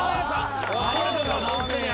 ありがとうございます。